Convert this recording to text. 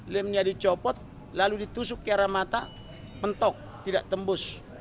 lemnya dicopot lalu ditusuk ke arah mata pentok tidak tembus